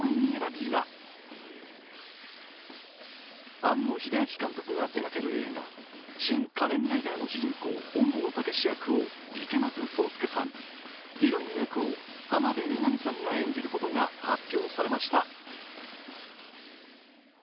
庵野秀明監督が手がける映画「シン・仮面ライダー」の主人公・本郷猛役を池松壮亮さん、ヒロイン役を浜辺美波さんが演じることが発表されました。